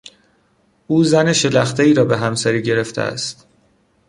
او زن شلختهای را به همسری گرفته است.